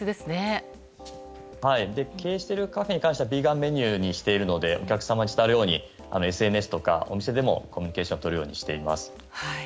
経営しているカフェに関してはビーガンメニューにしているのでお客様に伝わるようにＳＮＳですとかお店でもコミュニケーションをとるようにしています。